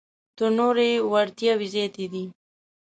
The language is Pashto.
تر نورو یې وړتیاوې زیاتې دي.